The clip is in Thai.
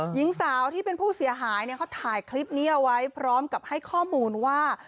หญิงสาวที่เป็นผู้เสียหายเนี่ยเขาถ่ายคลิปนี้เอาไว้พร้อมกับให้ข้อมูลว่า